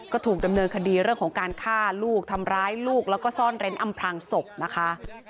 ก็ถูกดำเนินคดีเรื่องของการฆ่าลูกทำร้ายลูกแล้วก็ซ่อนเร้นอำพลางศพนะคะ